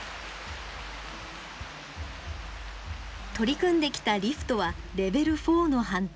取り組んできたリフトはレベル４の判定。